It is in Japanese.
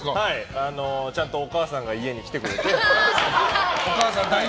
ちゃんとお母さんが家に来てくれて。